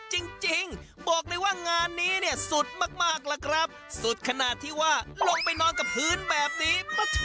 จริงบอกเลยว่างานนี้เนี่ยสุดมากล่ะครับสุดขนาดที่ว่าลงไปนอนกับพื้นแบบนี้